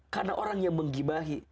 karena orang yang menggibahi